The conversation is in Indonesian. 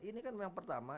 ini kan yang pertama